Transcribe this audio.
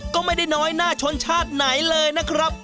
ก็ไม่ได้น้อยหน้าชนชาติไหนเลยนะครับ